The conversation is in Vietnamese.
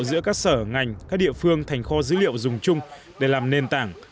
giữa các sở ngành các địa phương thành kho dữ liệu dùng chung để làm nền tảng